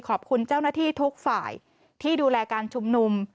ขอบคุณเจ้าหน้าที่ทุกฝ่ายที่ดูแลการชุมนุม